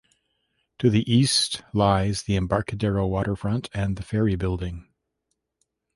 To the east lies the Embarcadero waterfront and the Ferry Building.